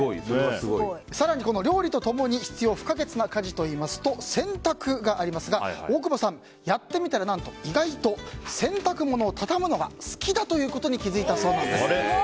更に、料理と共に必要不可欠な家事といいますと洗濯がありますが大久保さんやってみたら意外と洗濯物を畳むのが好きだということに気づいたそうなんです。